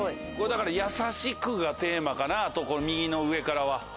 これだから優しくがテーマかな右の上からは。